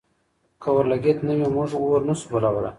که اورلګیت نه وي، موږ اور نه شو بلولی.